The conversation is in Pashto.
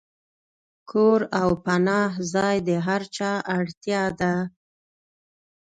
کور او پناه ځای د هر چا اړتیا ده.